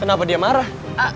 kenapa dia marah